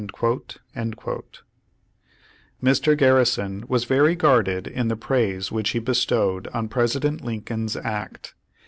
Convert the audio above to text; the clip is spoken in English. ^ Mr. Garrison was very guarded in the praise which he bestowed on President Lincoln's act.